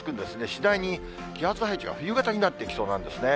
次第に気圧配置が冬型になっていきそうなんですね。